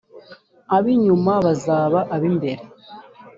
ab inyuma bazaba ab imbere